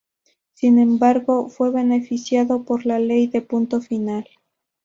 Sin embargo, fue beneficiado por la Ley de Punto Final.